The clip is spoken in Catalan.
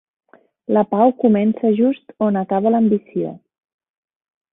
La pau comença just on acaba l'ambició.